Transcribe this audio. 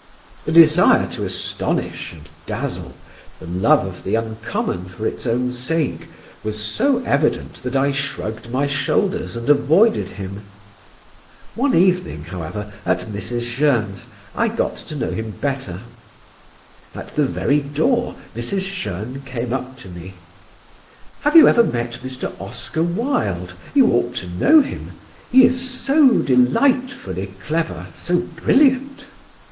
The desire to astonish and dazzle, the love of the uncommon for its own sake, was so evident that I shrugged my shoulders and avoided him. One evening, however, at Mrs. Jeune's, I got to know him better. At the very door Mrs. Jeune came up to me: "Have you ever met Mr. Oscar Wilde? You ought to know him: he is so delightfully clever, so brilliant!"